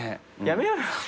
やめようよ。